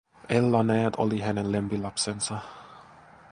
Ella, näet, oli hänen lempilapsensa.